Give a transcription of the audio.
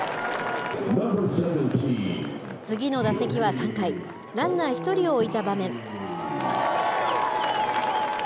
次の打席は３回、ランナー１人を置いた場面。